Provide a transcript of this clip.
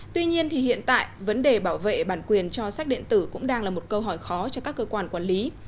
tuy nhiên hiện tại vấn đề bảo vệ bản quyền cho sách điện tử cũng đang là một câu hỏi khó cho các cơ quan quản lý